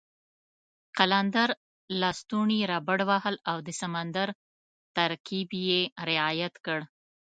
قلندر لسټوني را بډ وهل او د سمندر ترکیب یې رعایت کړ.